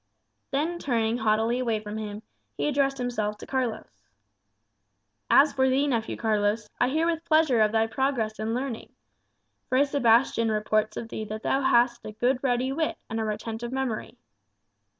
Then turning haughtily away from him, he addressed himself to Carlos: "As for thee, nephew Carlos, I hear with pleasure of thy progress in learning. Fray Sebastian reports of thee that thou hast a good ready wit and a retentive memory.